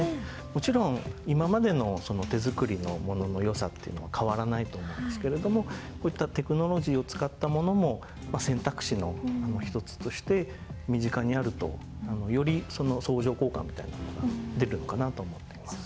もちろん今までの手作りのものの良さっていうのは変わらないと思うんですけれどもこういったテクノロジーを使ったものも選択肢の一つとして身近にあるとより相乗効果みたいなものが出るのかなと思っています。